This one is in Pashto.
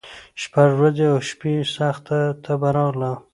شپږ ورځي او شپي سخته تبه راغله